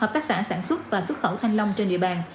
hợp tác xã sản xuất và xuất khẩu thanh long trên địa bàn